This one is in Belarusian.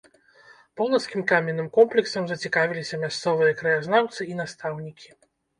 Полацкім каменным комплексам зацікавіліся мясцовыя краязнаўцы і настаўнікі.